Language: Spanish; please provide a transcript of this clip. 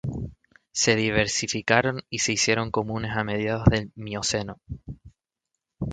Se diversificaron y se hicieron comunes a mediados del Mioceno.